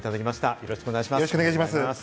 よろしくお願いします。